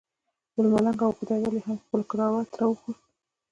بل ملنګ او د خدای ولی هم خپل کرامت راوښود.